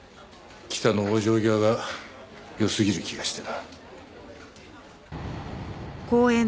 北の往生際がよすぎる気がしてな。